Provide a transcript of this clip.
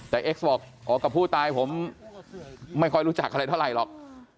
แต่เอ็กซ์บอกอ๋อกับผู้ตายผมไม่ค่อยรู้จักอะไรเท่าไหร่หรอก